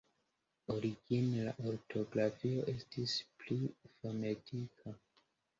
Origine, la ortografio estis pli fonetika.